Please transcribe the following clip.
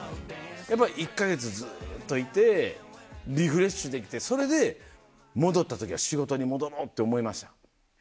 やっぱり１か月ずっといて、リフレッシュできて、それで戻ったときは、仕事に戻ろうって思いました？